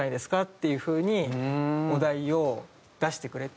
っていう風にお題を出してくれて。